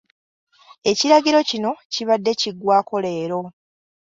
Ekiragiro kino kibadde kiggwaako leero.